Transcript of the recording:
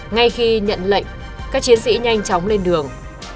ngay khi nhận lệnh các chiến sĩ nhanh chóng lên đường